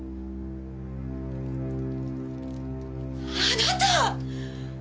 あなた！